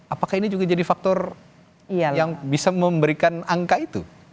apakah ini juga jadi faktor yang bisa memberikan angka itu